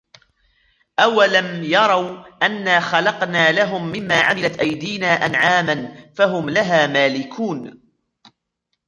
أولم يروا أنا خلقنا لهم مما عملت أيدينا أنعاما فهم لها مالكون